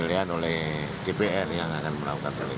itu penilaian oleh dpr yang akan melakukan penilaian